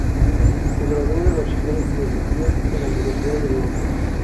Se graduó de Bachiller en Filosofía en la Universidad de León.